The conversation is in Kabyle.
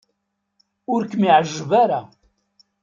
Ur kem-iɛejjeb ara.